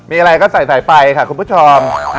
มีอะไรก็ใส่ไปค่ะคุณผู้ชม